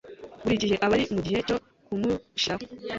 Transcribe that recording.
Buri gihe aba ari mugihe cyo kumushiraho.